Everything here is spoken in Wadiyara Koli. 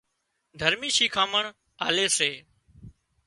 دهرمِي شِکامڻ آلي سي